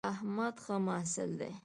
احمد ښه محصل دی